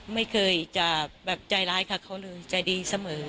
ไม่เคยจะแบบใจร้ายกับเขาเลยใจดีเสมอ